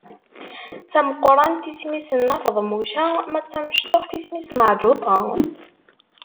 Tameqrant isem-is Nna Feḍmuca, ma d tamecṭuḥt isem-is Meɛǧuṭa.